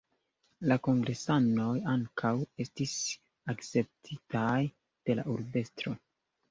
La kongresanoj ankaŭ estis akceptitaj de la urbestro.